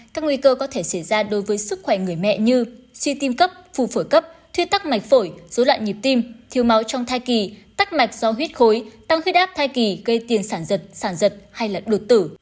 các nguy cơ có thể xảy ra đối với sức khỏe người mẹ như suy tim cấp phù phổi cấp thuyê tắc mạch phổi dối loạn nhịp tim thiếu máu trong thai kỳ tắc mạch do huyết khối tăng huyết áp thai kỳ gây tiền sản giật sản hay đột tử